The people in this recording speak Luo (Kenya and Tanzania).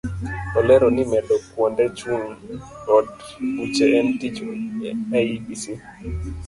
Olero ni medo kuonde chung' od buche en tich iebc.